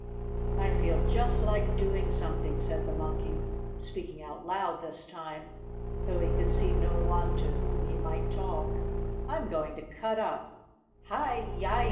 "I feel just like doing something!" said the Monkey, speaking out loud this time, though he could see no one to whom he might talk. "I'm going to cut up! Hi yi!"